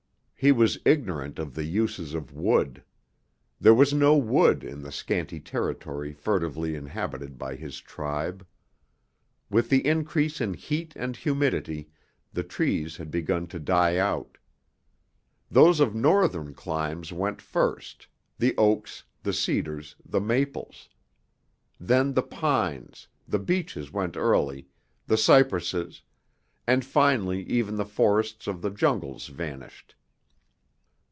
He was ignorant of the uses of wood. There was no wood in the scanty territory furtively inhabited by his tribe. With the increase in heat and humidity the trees had begun to die out. Those of northern climes went first, the oaks, the cedars, the maples. Then the pines the beeches went early the cypresses, and finally even the forests of the jungles vanished.